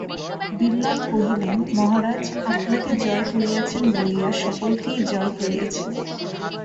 বিল্বন কহিলেন, মহারাজ, আপনাকে জয় করিয়াছেন বলিয়া সকলকেই জয় করিয়াছেন।